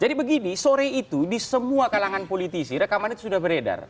jadi begini sore itu di semua kalangan politisi rekaman itu sudah beredar